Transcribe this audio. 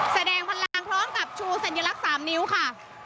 แสดงพลังพร้อมกับชูสัญลักษณ์๓นิ้วค่ะ